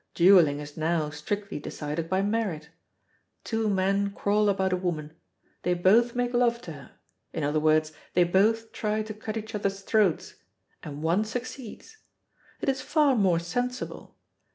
Duelling is now strictly decided by merit. Two men quarrel about a woman. They both make love to her; in other words, they both try to cut each other's throats, and one succeeds. It is far more sensible.